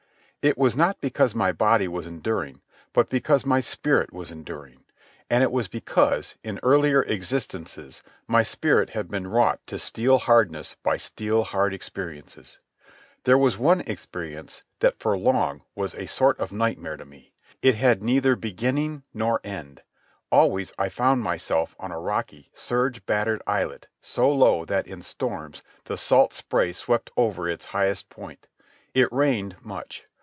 It was not because my body was enduring, but because my spirit was enduring. And it was because, in earlier existences, my spirit had been wrought to steel hardness by steel hard experiences. There was one experience that for long was a sort of nightmare to me. It had neither beginning nor end. Always I found myself on a rocky, surge battered islet so low that in storms the salt spray swept over its highest point. It rained much.